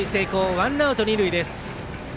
ワンアウト、二塁です。